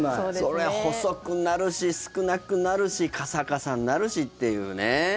そりゃ細くなるし少なくなるしカサカサになるしっていうね。